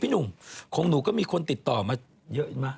พี่หนุ่มของหนูก็มีคนติดต่อมาเยอะมาก